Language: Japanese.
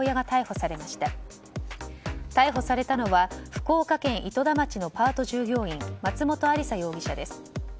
逮捕されたのは福岡県糸田町のパート従業員松本亜里沙容疑者です。